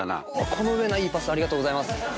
この上ないいいパスありがとうございます。